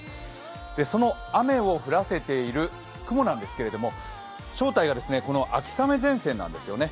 その雨を降らせている雲なんですけれども正体が秋雨前線なんですね。